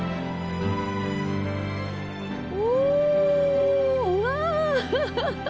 おおうわ。